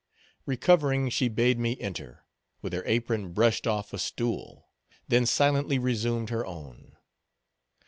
Recovering, she bade me enter; with her apron brushed off a stool; then silently resumed her own.